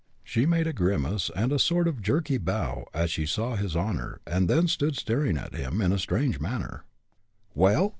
She made a grimace and sort of a jerky bow as she saw his honor, and then stood staring at him in a strange manner. "Well!"